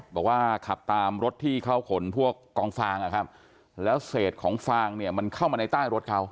บอกว่าขับตามรถที่เขาขนพวกกองฟางนะครับแล้วเศษของฟางเนี่ยมันเข้ามาในใต้รถเขา